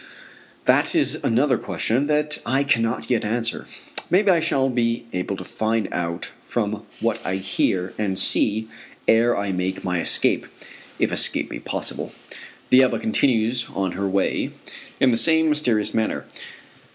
That is another question that I cannot yet answer. Maybe I shall be able to find out from what I hear and see ere I make my escape, if escape be possible. The Ebba continues on her way in the same mysterious manner.